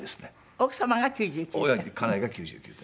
奥様が９９点？